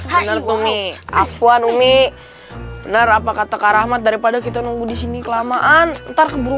bener bener kumi aku anumi bener apa kata karamat daripada kita nunggu disini kelamaan ntar keburu